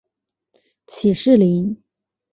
起士林。